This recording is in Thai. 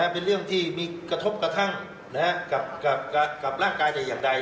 เป็นเรื่องที่มีกระทบกระทั่งกับร่างกายแต่อย่างใด